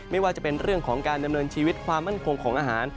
ไม่ว่าจะเป็นเรื่องของการดำเนินชีวิตความมั่นคงของอาหาร